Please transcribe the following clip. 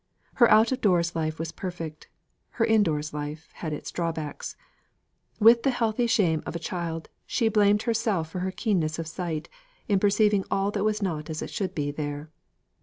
Her out of doors life was perfect. Her in doors life had its drawbacks. With the healthy shame of a child, she blamed herself for her keenness of sight in perceiving that all was not as it should be there.